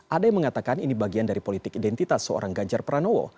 ada yang mengatakan ini bagian dari politik identitas seorang ganjar pranowo